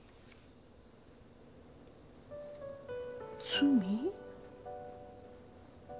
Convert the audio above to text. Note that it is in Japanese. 「罪」？